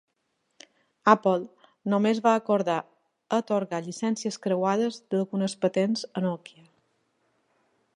Apple només va acordar atorgar llicencies creuades d'algunes patents a Nokia.